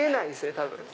多分。